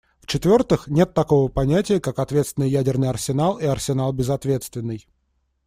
В-четвертых, нет такого понятия, как ответственный ядерный арсенал и арсенал безответственный.